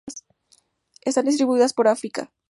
Están distribuidas por África.